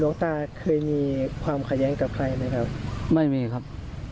รองตาเคยมีความเขยิ้นกับใครมั๊ยครับไม่มีครับ